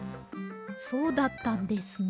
そうだったんですね。